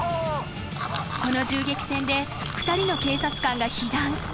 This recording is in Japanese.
［この銃撃戦で２人の警察官が被弾］